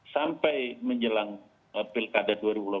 sampai menjelang pilkada dua ribu dua puluh empat